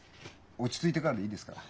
落ち着いてからでいいですから。